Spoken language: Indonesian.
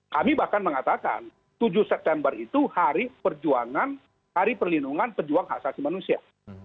kami bahkan mengatakan tujuh september itu hari perjuangan hari perlindungan pejuang hak asasi manusia